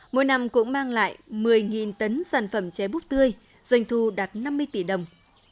mỗi năm cũng mang lại một mươi tấn sản phẩm chế búp tươi doanh thu đạt năm mươi tỷ đồng